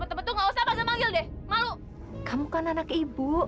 bu ibu itu harus perhatiin makan aku